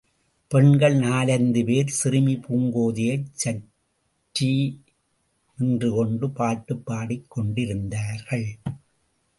பெண்கள் நாலைந்து பேர் சிறுமி பூங்கோதையைச் சற்றி நின்றுகொண்டு பாட்டுப் பாடிக்கொண்டிருந்தார்கள்.